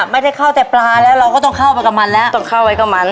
ไม่ได้เข้าแต่ปลาแล้วเราก็ต้องเข้าไปกับมันแล้วต้องเข้าไปกับมัน